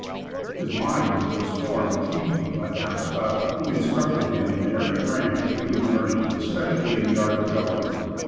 His mind was formed chiefly by Aristotle, who instructed him in every branch of human learning, especially in the art of government.